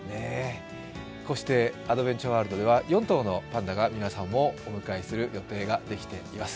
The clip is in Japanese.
こうしてアドベンチャーワールドでは４頭のパンダが皆さんをお迎えする予定ができています。